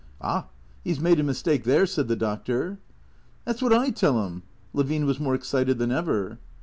" Ah, he 's made a mistake there," said the Doctor. " That 's what I tell him." Levine was more excited than ever.